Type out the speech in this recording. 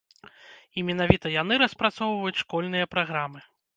І менавіта яны распрацоўваюць школьныя праграмы.